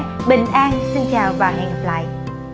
xin kính chúc quý vị sức khỏe bình an xin chào và hẹn gặp lại